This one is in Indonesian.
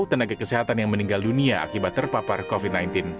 tenaga kesehatan yang meninggal dunia akibat terpapar covid sembilan belas